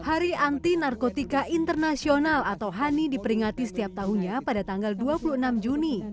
hari anti narkotika internasional atau hani diperingati setiap tahunnya pada tanggal dua puluh enam juni